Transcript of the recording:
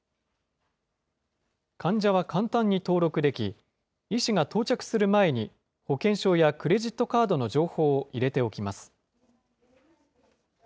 患者は簡単に登録でき、医師が到着する前に、保険証やクレジットカードの情報を入れておきます。